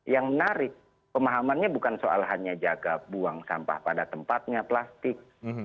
yang menarik pemahamannya bukan soal hanya jaga buang sampah pada tempatnya plastik